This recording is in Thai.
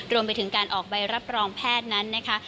รวมไปถึงการออกใบรับรองแพทย์นั้นนะคะ